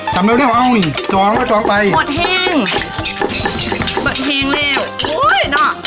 ตำเร็วเร็วเอาหนึ่งจองจองไปหมดแห้งหมดแห้งแล้วโอ้ยน่ะ